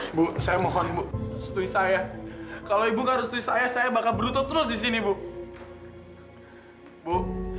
ibu saya mohon bu setui saya kalau ibu harus saya saya bakal berutuh terus di sini bu bu